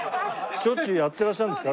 しょっちゅうやっていらっしゃるんですか？